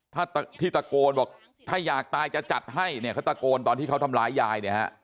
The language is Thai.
ที่ตะโกนว่าถ้าอยากตายจะจัดให้เขาตะโกนตอนที่เขาทำร้ายยาย